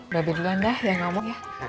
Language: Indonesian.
ba be duluan dah yang ngomong ya